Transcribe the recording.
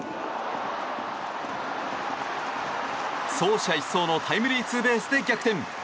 走者一掃のタイムリーツーベースで逆転。